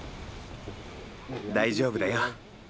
大丈夫だよ。